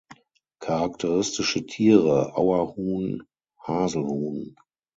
Charakteristische Tiere: Auerhuhn, Haselhuhn.